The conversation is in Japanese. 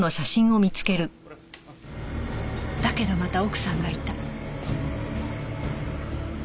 「だけどまた奥さんがいた」